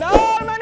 mas mas bentar